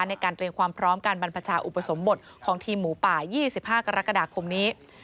ในการเตรียมความพร้อมการบรรพชาอุปสมบทของทีมหมูป่า๒๕กรกฎาคมนี้